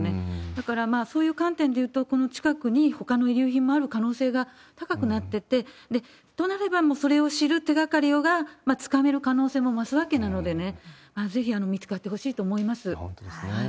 だから、そういう観点でいうと、この近くにほかの遺留品もある可能性が高くなってて、となれば、それを知る手がかりがつかめる可能性も増すわけなのでね、ぜひ見本当ですね。